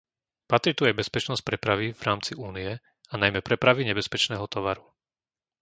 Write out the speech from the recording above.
Patrí tu aj bezpečnosť prepravy v rámci Únie, a najmä prepravy nebezpečného tovaru.